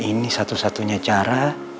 ini satu satunya cara